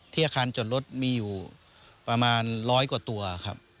ที่อาคารจดรถมีอยู่ประมาณ๑๐๐กว่าตัวครับ